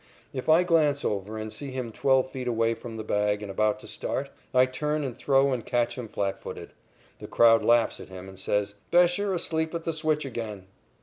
If I glance over and see him twelve feet away from the bag and about to start, I turn and throw and catch him flat footed. The crowd laughs at him and says: "Bescher asleep at the switch again!"